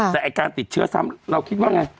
แต่การติดเชื้อซ้ำเราคิดว่าไง